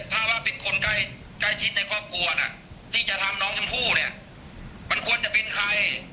ถ้าว่าเป็นคนใกล้ชิดในครอบครัวน่ะที่จะทำน้องชมพู่เนี่ยมันควรจะเป็นใคร